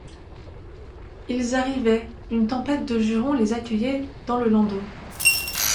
Ils arrivaient, une tempête de jurons les accueillait dans le landau.